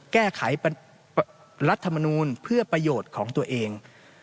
แก้ไขรัฐมนูลเพื่อประโยชน์ของตัวเอง